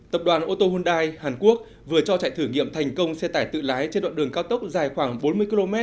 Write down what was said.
tập đoàn ô tô hyundai hàn quốc vừa cho chạy thử nghiệm thành công xe tải tự lái trên đoạn đường cao tốc dài khoảng bốn mươi km